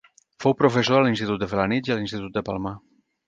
Fou professor a l'Institut de Felanitx i a l'Institut de Palma.